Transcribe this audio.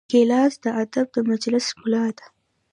ګیلاس د ادب د مجلس ښکلا ده.